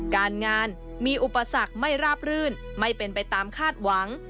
การงานมีอุปสรรคไม่ราบรื่นไม่เป็นไปตามคาดหวัง